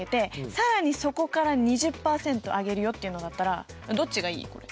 そこから２０％上げるよっていうのだったらどっちがいい？これ。